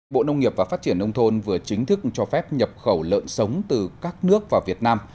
bộ nông nghiệp và phát triển nông thôn vừa chính thức cho phép nhập khẩu lợn sống từ các nước vào việt nam